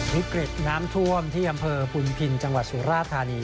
วิกฤตน้ำท่วมที่อำเภอพุนพินจังหวัดสุราธานี